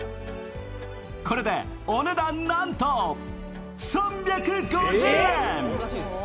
これでお値段、なんと３５０円！